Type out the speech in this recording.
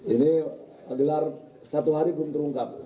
ini gelar satu hari belum terungkap